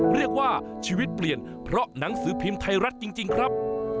เรียกว่าชีวิตเปลี่ยนเพราะหนังสือพิมพ์ไทยรัฐจริงครับ